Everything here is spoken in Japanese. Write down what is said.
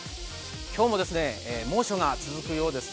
今日も猛暑が続くようです。